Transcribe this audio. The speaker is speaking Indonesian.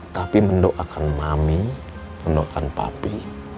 tapi mendoakan mami mendoakan papi